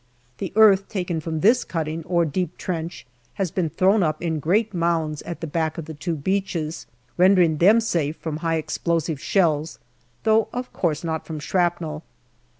The earth taken from this cutting or deep trench has been thrown up in great mounds at the back of the two beaches, rendering them safe from high explosive shells, though, of course, not from shrapnel.